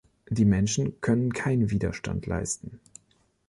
Die Menschen können keinen Widerstand leisten.